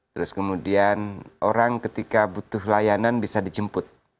terus kemudian orang ketika butuh layanan bisa dijemput